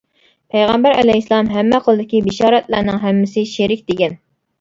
پەيغەمبەر ئەلەيھىسسالام ھەممە خىلدىكى بېشارەتلەرنىڭ ھەممىسى شېرىك، دېگەن.